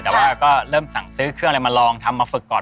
แต่ว่าก็เริ่มสั่งซื้อเครื่องอะไรมาลองทำมาฝึกก่อน